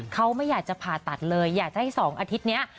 เขาไม่อยากจะผ่าตัดเลยอยากจะให้๒อาทิตย์นี้